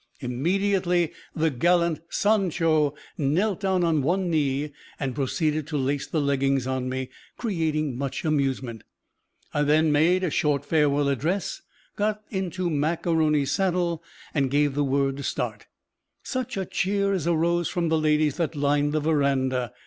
Immediately the gallant "Sancho" knelt down on one knee and proceeded to lace the leggings on me, creating much amusement. I then made a short farewell address, got into Mac A'Rony's saddle, and gave the word to start. Such a cheer as arose from the ladies that lined the veranda!